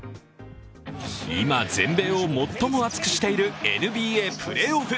今、全米を最も熱くしているＮＢＡプレーオフ。